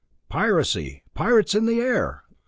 "Piracy! Pirates in the air!"